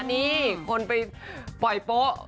นี่คนไปปล่อยโป๊ะ